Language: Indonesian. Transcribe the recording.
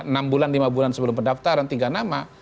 enam bulan lima bulan sebelum pendaftaran tiga nama